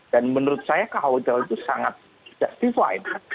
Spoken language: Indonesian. dan menurut saya kekhawatiran itu sangat justified